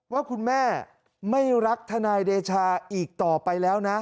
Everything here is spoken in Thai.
ว่าคุณแม่ไม่รักทนายเดชาอีกต่อไปแล้วนะ